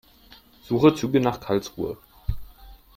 Suche Züge nach Karlsruhe.